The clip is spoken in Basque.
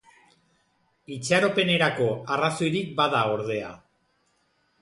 Itxaropenerako arrazoirik bada, ordea.